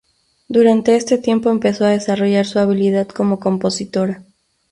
Durante este tiempo empezó a desarrollar su habilidad como compositora.